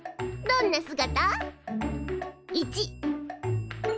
どんな姿？